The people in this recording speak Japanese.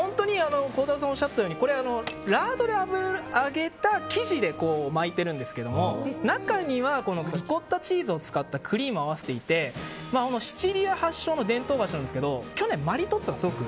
孝太郎さんがおっしゃったようにラードで揚げた生地で巻いてるんですけど中にはリコッタチーズを使ったクリーム合わせていてシチリア発祥の伝統菓子なんですけど去年マリトッツォがすごく